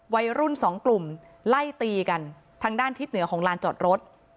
วัยรุ่นสองกลุ่มไล่ตีกันทางด้านทิศเหนือของลานจอดรถ